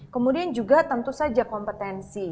kemudian juga tentu saja kompetensi